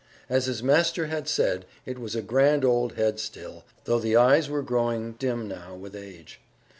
As his master had said, it was a grand old head still, though the eyes were growing dim now with age.